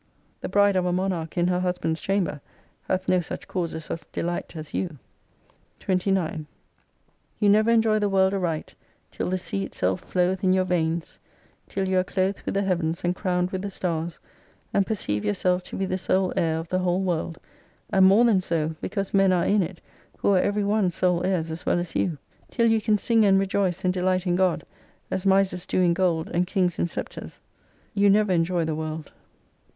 The bride of a monarch in her husband's chamber, hath no such causes of delight as you. 29. You never enjoy the world aright till the sea itself floweth in your veins, till you are clothed with the heavens and crowned with the stars : and perceive yourself to be the sole heir of the whole world, and more than so, because men are in it who are every one sole heirs as well as you. Till you can sing and rejoice and delight in God, as misers do in gold, and kings in sceptres, you never enjoy the world.